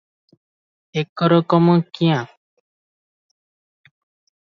ଏକରକମ କିଆଁ?